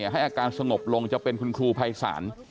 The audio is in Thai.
ให้อาการสงบลงจะเป็นคุณครูภัยศาล